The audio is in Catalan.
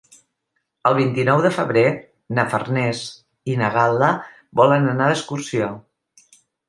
El vint-i-nou de febrer na Farners i na Gal·la volen anar d'excursió.